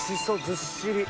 ずっしり。